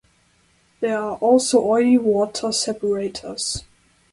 There are also oily water separators.